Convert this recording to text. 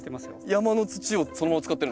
山の土をそのまま使ってるんですか？